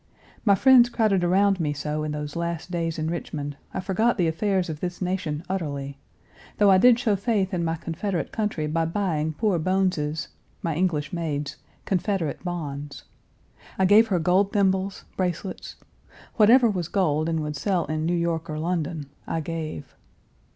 My friends crowded around me so in those last days in Richmond, I forgot the affairs of this nation utterly; though I did show faith in my Confederate country by buying poor Bones's (my English maid's) Confederate bonds. I gave her gold thimbles, bracelets; whatever was gold and would sell in New York or London, I gave.